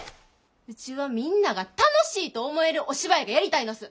うちはみんなが楽しいと思えるお芝居がやりたいんだす。